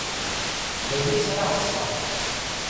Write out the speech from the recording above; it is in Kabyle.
D ayen i sεiɣ d ṣṣerf.